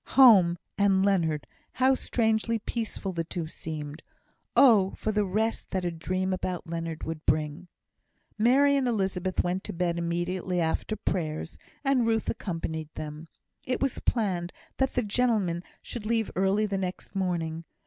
Home, and Leonard how strangely peaceful the two seemed! Oh, for the rest that a dream about Leonard would bring! Mary and Elizabeth went to bed immediately after prayers, and Ruth accompanied them. It was planned that the gentlemen should leave early the next morning.